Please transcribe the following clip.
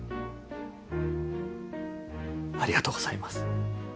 ありがとうございます。